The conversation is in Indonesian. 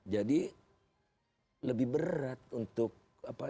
jadi lebih berat untuk apa